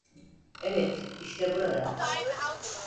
Evet, işte burada.